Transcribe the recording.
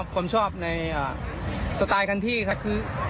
ความชอบในสไตล์ที่คือ